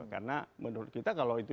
karena menurut kita kalau itu